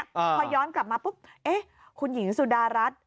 พอย้อนกลับมาปุ๊บเอ๊ะคุณหญิงสุดารัฐ